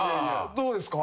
どうですか？